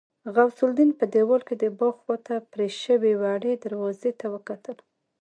غوث الدين په دېوال کې د باغ خواته پرې شوې وړې دروازې ته وکتل.